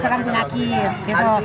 sekarang penyakit gitu